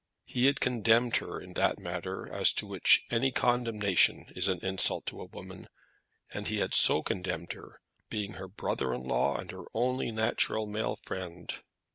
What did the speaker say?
He had condemned her in that matter as to which any condemnation is an insult to a woman; and he had so condemned her, being her brother in law and her only natural male friend.